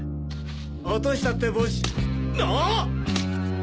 落としたって帽子ああっ！？